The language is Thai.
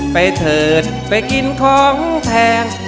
เถิดไปกินของแพง